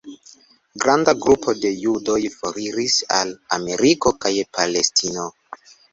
Granda grupo de judoj foriris al Ameriko kaj Palestino.